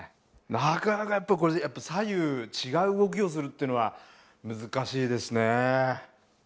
なかなかやっぱりこれ左右違う動きをするっていうのは難しいですね。